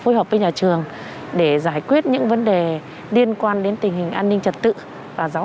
phối hợp với nhà trường để giải quyết những vấn đề liên quan đến tình hình an ninh trật tự và giáo